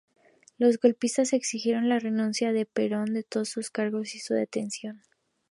Los golpistas exigieron la renuncia de Perón de todos sus cargos y su detención.